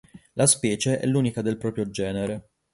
La specie è l'unica del proprio genere.